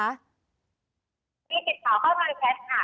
มีติดต่อเข้าทางแชทค่ะ